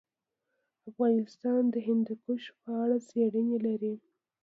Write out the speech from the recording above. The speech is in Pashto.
افغانستان د هندوکش په اړه څېړنې لري.